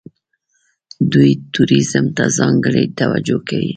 دوی ټوریزم ته ځانګړې توجه کوي.